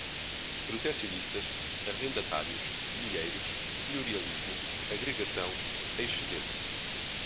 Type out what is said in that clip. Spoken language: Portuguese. protecionistas, arrendatários, meeiros, senhorialismo, agregação, excedente